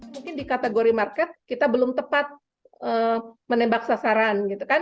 kategori ini di kategori market kita belum tepat menembak sasaran